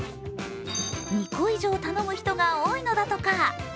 ２個以上頼む人が多いのだとか。